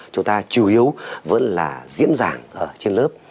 chúng ta chủ yếu vẫn là diễn giảng ở trên lớp